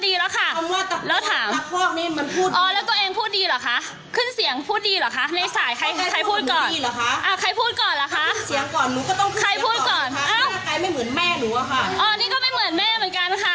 อ๋อนี่ก็ไม่เหมือนแม่เหมือนกันค่ะ